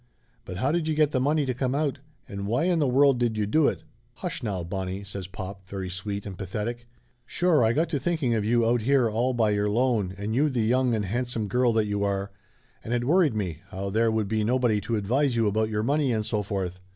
But how did you get the money to come out, and why in the world did you do it?" "Hush now, Bonnie !" says pop, very sweet and pa thetic. "Sure I got to thinking of you out here all by your lone and you the young and handsome girl that you are, and it worried me, how there would be no body to advise you about your money and so forth.